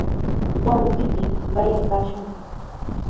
Wawqiykimi qayaykaashunki.